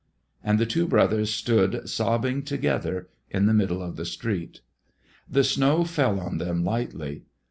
And the two brothers stood sobbing together in the middle of the street. The snow fell on them lightly.